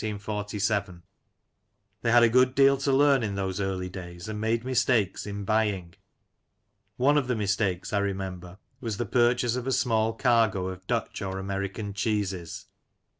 They had a good deal to learn in those early days, and made mistakes in buying. One of the mistakes, I remember, was the purchase of a small cargo of Dutch or American cheeses.